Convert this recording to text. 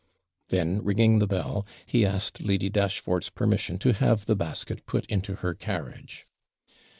Then, ringing the bell, he asked Lady Dashfort's permission to have the basket put into her carriage.